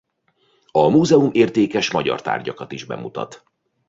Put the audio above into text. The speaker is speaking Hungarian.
A múzeum értékes magyar tárgyakat is bemutat.